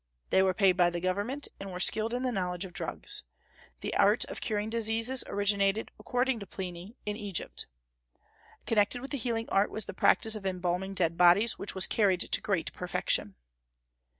They were paid by government, and were skilled in the knowledge of drugs. The art of curing diseases originated, according to Pliny, in Egypt. Connected with the healing art was the practice of embalming dead bodies, which was carried to great perfection.